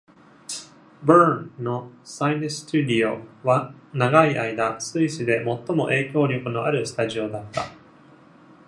Bern の Sinus Studio は、長い間スイスで最も影響力のあるスタジオだった。